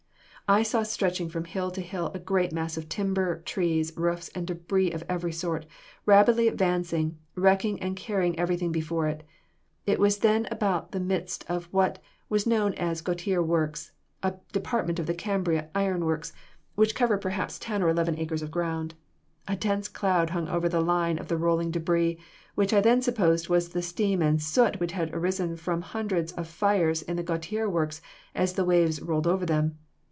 "I saw stretching from hill to hill, a great mass of timber, trees, roofs and debris of every sort, rapidly advancing, wrecking and carrying everything before it. It was then about the midst of what was known as the Gautier Works, a department of the Cambria Iron Works, which covered perhaps ten or eleven acres of ground. A dense cloud hung over the line of the rolling debris, which I then supposed was the steam and soot which had arisen from hundreds of fires in the Gautier Works as the waves rolled over them.